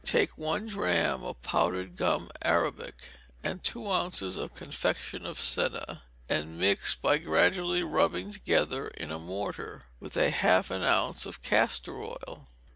Take one drachm of powdered gum arabic, and two ounces of confection of senna, and mix, by gradually rubbing together in a mortar, with half an ounce of castor oil.